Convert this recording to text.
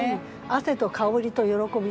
「汗と香りと喜び」